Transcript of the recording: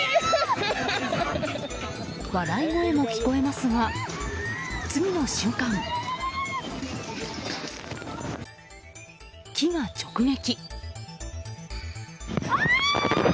笑い声も聞こえますが次の瞬間、木が直撃。